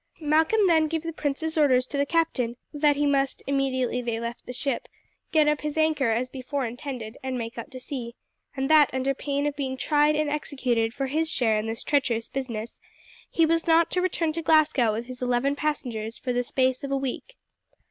Malcolm then gave the prince's orders to the captain; that he must, immediately they left the ship, get up his anchor as before intended, and make out to sea; and that under pain of being tried and executed for his share in this treacherous business, he was not to return to Glasgow with his eleven passengers for the space of a week.